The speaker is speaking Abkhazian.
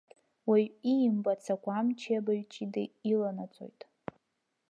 Уаҩ иимбац агәамчи абаҩ ҷыдеи иланаҵоит.